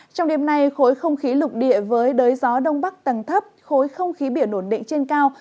trong đêm nay khối không khí lục địa với đới gió đông bắc tầng thấp khối không khí biển ổn định trên cao